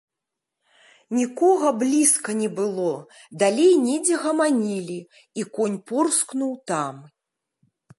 Нікога блізка не было, далей недзе гаманілі, і конь порскнуў там.